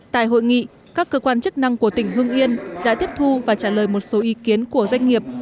tại hội nghị các cơ quan chức năng của tỉnh hưng yên đã tiếp thu và trả lời một số ý kiến của doanh nghiệp